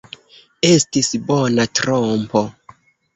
Estis bona trompo!